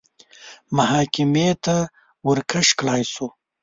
محاکمې ته ورکش کړای شو